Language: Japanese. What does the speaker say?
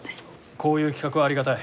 こういう企画はありがたい。